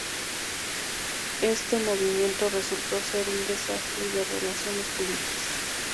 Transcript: Este movimiento resultó ser un desastre de relaciones públicas.